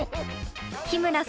日村さん